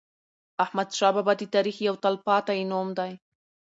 احمدشاه بابا د تاریخ یو تل پاتی نوم دی.